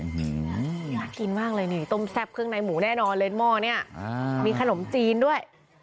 น่ากินมากเลยนี่ต้มแซ่บเครื่องในหมูแน่นอนเลยหม้อเนี่ยมีขนมจีนด้วย